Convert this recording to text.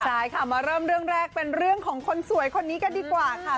ใช่ค่ะมาเริ่มเรื่องแรกเป็นเรื่องของคนสวยคนนี้กันดีกว่าค่ะ